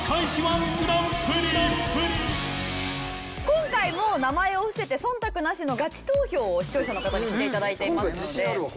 今回も名前を伏せて忖度なしのガチ投票を視聴者の方にして頂いていますので。